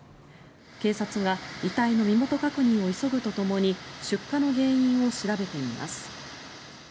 警察が遺体の身元確認を急ぐとともに出火の原因を調べています。